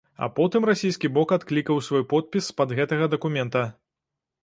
А потым расійскі бок адклікаў свой подпіс з-пад гэтага дакумента.